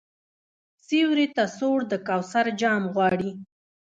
سیوري ته سوړ د کوثر جام غواړي